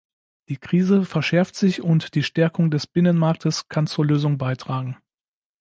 Die Krise verschärft sich und die Stärkung des Binnenmarktes kann zur Lösung beitragen.